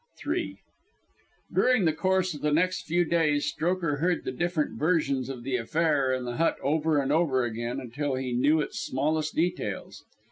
III During the course of the next few days Strokher heard the different versions of the affair in the hut over and over again till he knew its smallest details.